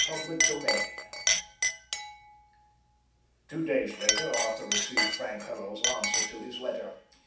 Chapter VI Two days later, Arthur received Frank Hurrell's answer to his letter.